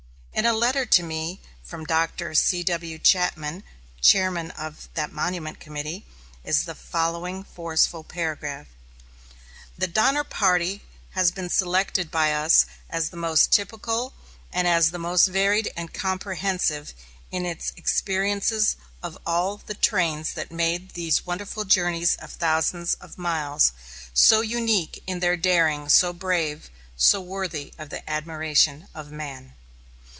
In a letter to me from Dr. C.W. Chapman, chairman of that monument committee, is the following forceful paragraph: "The Donner Party has been selected by us as the most typical and as the most varied and comprehensive in its experiences of all the trains that made these wonderful journeys of thousands of miles, so unique in their daring, so brave, so worthy of the admiration of man."